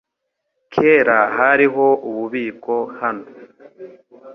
Kera hariho ububiko hano .